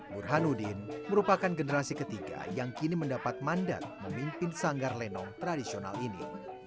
burhanuddin merupakan generasi ketiga yang kini mendapat mandat memimpin sanggar lenong tradisional ini